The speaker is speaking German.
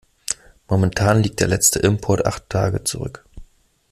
Momentan liegt der letzte Import acht Tage zurück.